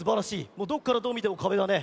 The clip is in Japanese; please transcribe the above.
もうどっからどうみてもかべだね。